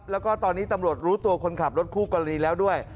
แล้วก็ตอนนี้ตำรวจรู้ตัวคนขับรถคู่กรณีแล้วด้วย